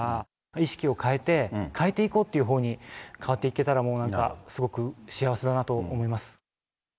意識を変えて、変えていこうというほうに変わっていけたら、もうなんかすごく幸